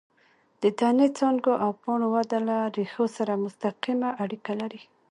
د تنې، څانګو او پاڼو وده له ریښو سره مستقیمه اړیکه لري.